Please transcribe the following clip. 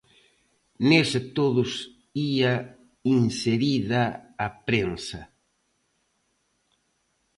Nese todos ía inserida a prensa.